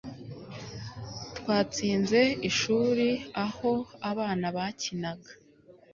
Twatsinze ishuri aho abana bakinaga